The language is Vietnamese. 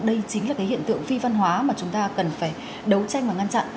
đây chính là cái hiện tượng phi văn hóa mà chúng ta cần phải đấu tranh và ngăn chặn